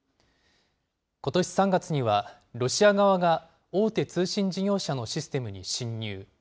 ことし３月には、ロシア側が大手通信事業者のシステムに侵入。